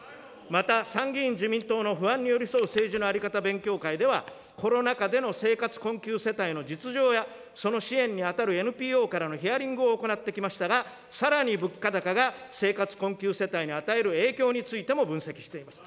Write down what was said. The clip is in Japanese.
また、参議院自民党の不安に寄り添う政治のあり方勉強会では、コロナ禍での生活困窮世帯の実情や、その支援に当たるＮＰＯからのヒアリングを行ってきましたが、さらに、物価高が生活困窮世帯に与える影響についても分析しています。